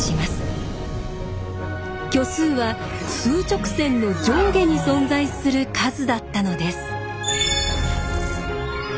虚数は数直線の上下に存在する数だったのです。